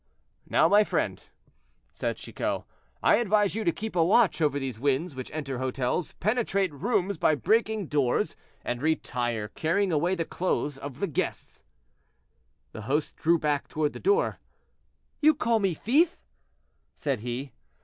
"Now, my friend," said Chicot, "I advise you to keep a watch over these winds which enter hotels, penetrate rooms by breaking doors, and retire, carrying away the clothes of the guests." The host drew back toward the door. "You call me thief!" said he.